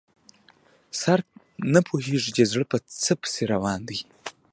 سر نه پوهېږي چې زړه په څه پسې روان دی.